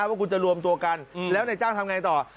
ว่าคุณจะรวมตัวกันแล้วนายจ้างทำไงต่อ